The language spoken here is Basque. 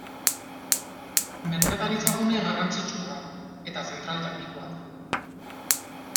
Merkataritzagune garrantzitsua da, eta zentral termikoa du.